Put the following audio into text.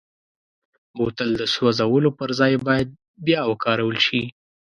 بوتل د سوزولو پر ځای باید بیا وکارول شي.